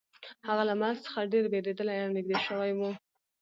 هغه له مرګ څخه ډیر ویریدلی او نږدې شوی و